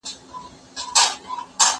زه بايد مړۍ وخورم!.